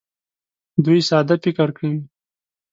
دوی ساده فکر کوي.